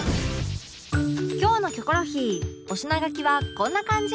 今日の『キョコロヒー』お品書きはこんな感じ